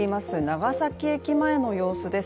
長崎駅前の様子です。